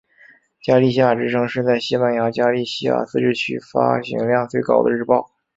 加利西亚之声是在西班牙加利西亚自治区发行量最高的日报。